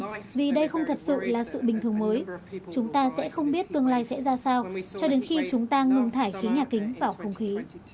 vì vậy vì đây không thật sự là sự bình thường mới chúng ta sẽ không biết tương lai sẽ ra sao cho đến khi chúng ta ngừng thải khí nhà kính vào không khí